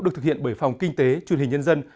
được thực hiện bởi phòng kinh tế truyền hình nhân dân